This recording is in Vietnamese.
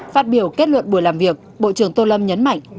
phát biểu kết luận buổi làm việc bộ trưởng tô lâm nhấn mạnh